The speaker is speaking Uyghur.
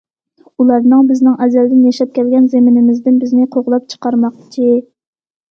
ئۇلارنىڭ بىزنىڭ ئەزەلدىن ياشاپ كەلگەن زېمىنىمىزدىن بىزنى قوغلاپ چىقارماقچى.